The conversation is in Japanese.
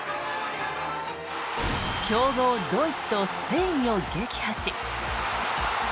強豪ドイツとスペインを撃破し。